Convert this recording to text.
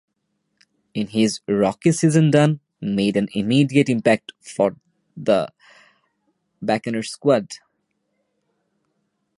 In his rookie season Dunn made an immediate impact for the Buccaneers squad.